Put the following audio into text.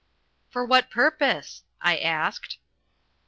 "For what purpose?" I asked.